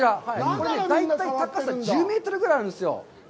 これ、大体高さは１０メートルぐらいあるんですよ。